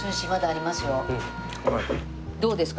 どうですか？